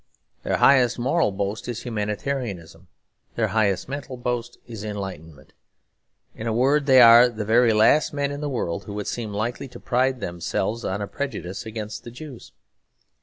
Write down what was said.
Their highest moral boast is humanitarianism; their highest mental boast is enlightenment. In a word, they are the very last men in the world who would seem likely to pride themselves on a prejudice against the Jews.